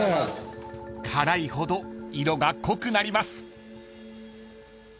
［辛いほど色が濃くなります］